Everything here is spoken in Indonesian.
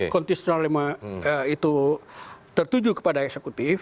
konstitusional itu tertuju kepada eksekutif